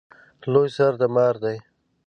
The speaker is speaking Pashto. لوی سر د مار دی